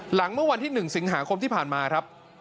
เมื่อวันที่๑สิงหาคมที่ผ่านมาครับ